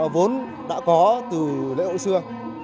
vốn đã có từ lễ hội xưa